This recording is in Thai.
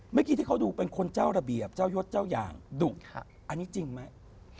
เมื่อกี้ที่เขาดูเป็นคนเจ้าระเบียบเจ้ายศเจ้าอย่างดุอันนี้จริงไหม